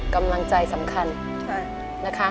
กำลังใจสำคัญนะคะ